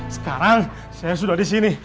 sekarang saya sudah disini